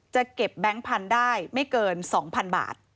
จะเก็บแบงค์พันธุ์ได้ไม่เกิน๒๐๐๐บาท